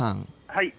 はい。